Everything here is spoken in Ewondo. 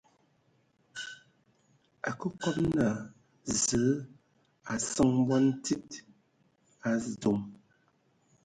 Akǝ kɔb naa Zǝǝ a seŋe bɔn tsíd a dzom.